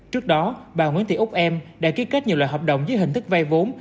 trước đó bà nguyễn tị úc em đã ký kết nhiều loại hợp đồng dưới hình thức vay vốn